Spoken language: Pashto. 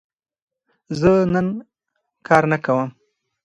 زه نن کار نه کوم.